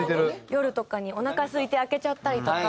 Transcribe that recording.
夜とかにおなかすいて開けちゃったりとか。